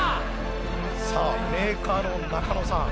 さあメーカーの中野さん。